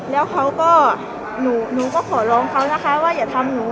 แล้วเขาก็หนูก็ขอร้องเขานะคะว่าอย่าทำหนู